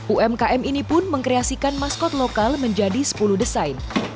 umkm ini pun mengkreasikan maskot lokal menjadi sepuluh desain